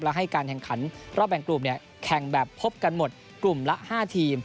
และให้รอบแบ่งกลุ่มแข่งแบบพบกันหมดกลุ่มละ๕ทีม